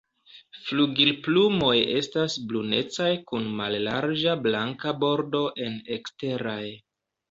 Flugilplumoj estas brunecaj kun mallarĝa blanka bordo en eksteraj.